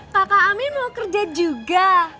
kakak amin mau kerja juga